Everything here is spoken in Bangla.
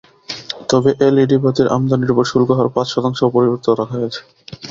তবে এলইডি বাতির আমদানির ওপর শুল্কহার পাঁচ শতাংশ অপরিবর্তিত রাখা হয়েছে।